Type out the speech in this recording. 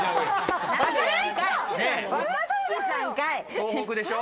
東北でしょ。